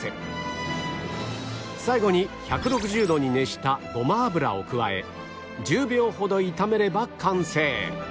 最後に１６０度に熱したごま油を加え１０秒ほど炒めれば完成